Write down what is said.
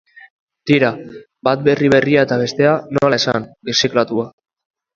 Tira, bat berri berria eta bestea, nola esan, birziklatua.